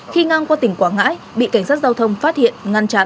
khi ngang qua tỉnh quảng ngãi bị cảnh sát giao thông phát hiện ngăn chặn